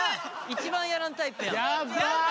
一番やらんタイプやん。